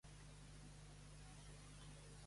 Produïa versions ampliades d'aquests en anys posteriors.